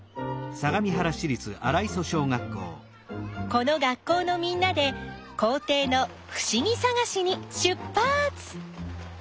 この学校のみんなで校ていのふしぎさがしにしゅっぱつ！